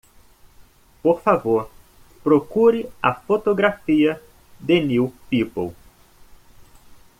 Por favor, procure a fotografia? The New People.